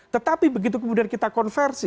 tetapi begitu kemudian kita konversi